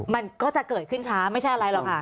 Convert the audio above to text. มันก็จะเกิดขึ้นช้าไม่ใช่อะไรหรอกค่ะ